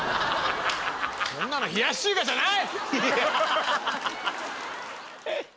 そんなの冷やし中華じゃない！